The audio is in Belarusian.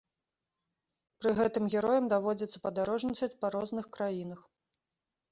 Пры гэтым героям даводзіцца падарожнічаць па розных краінах.